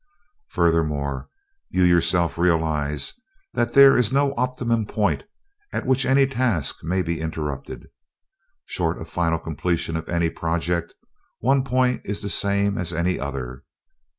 Furthermore, you yourself realize that there is no optimum point at which any task may be interrupted. Short of final completion of any project, one point is the same as any other.